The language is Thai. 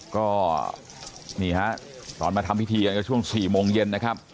ก็นี่ฮะตอนมาทำพิธีกันก็ช่วง๔โมงเย็นนะครับ